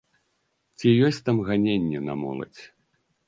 Ці ёсць там ганенні на моладзь?